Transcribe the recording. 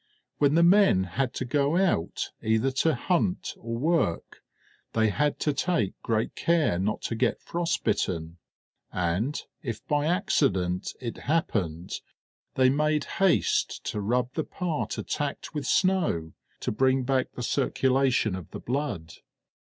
When the men had to go out either to hunt or work they had to take great care not to get frost bitten; and if by accident it happened, they made haste to rub the part attacked with snow to bring back the circulation of the blood.